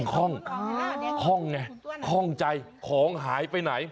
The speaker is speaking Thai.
ข้องไงข้องใจของหายไปไหน